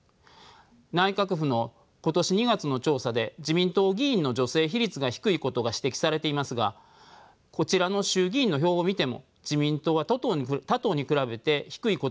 内閣府の今年２月の調査で自民党議員の女性比率が低いことが指摘されていますがこちらの衆議院の表を見ても自民党は他党に比べて低いことが分かります。